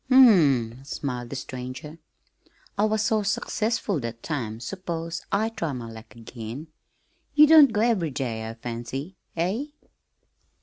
"Hm m," smiled the stranger. "I was so successful that time, suppose I try my luck again. You don't go every day, I fancy, eh?"